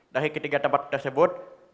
dari ketiga tempat tersebut